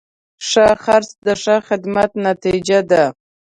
ښه خرڅ د ښه خدمت نتیجه ده.